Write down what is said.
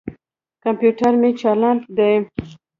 کمپیوټر مې چالاند دي.